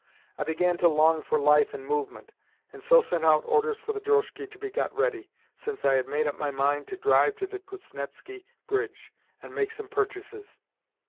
I began to long for life and movement, and so sent out orders for the drozhki to be got ready, since I had made up my mind to drive to the Kuznetski Bridge and make some purchases.